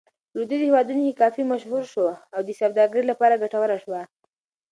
په لویدیځو هېوادونو کې کافي مشهور شو او د سوداګرۍ لپاره ګټوره شوه.